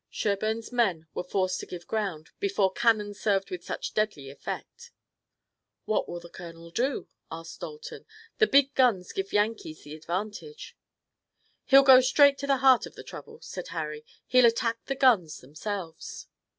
Sherburne's men were forced to give ground, before cannon served with such deadly effect. "What will the colonel do?" asked Dalton. "The big guns give the Yankees the advantage." "He'll go straight to the heart of the trouble," said Harry. "He'll attack the guns themselves."